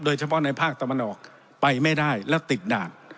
โดยเฉพาะในภาคตะวันออกไปไม่ได้แล้วติดด่าน